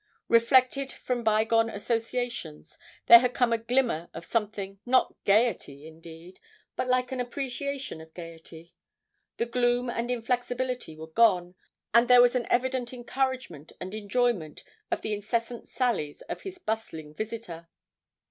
Reflected from bygone associations, there had come a glimmer of something, not gaiety, indeed, but like an appreciation of gaiety. The gloom and inflexibility were gone, and there was an evident encouragement and enjoyment of the incessant sallies of his bustling visitor.